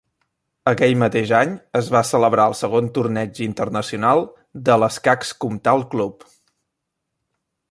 Aquell mateix any, es va celebrar el Segon Torneig Internacional de l'Escacs Comtal Club.